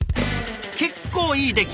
結構いい出来。